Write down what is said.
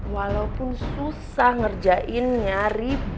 walaupun susah ngerjainnya ribet tapi nggak papa